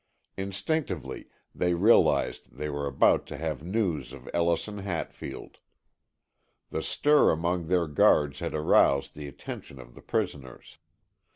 Instinctively they realized they were about to have news of Ellison Hatfield. The stir among their guards had aroused the attention of the prisoners.